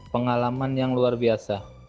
pengalaman yang luar biasa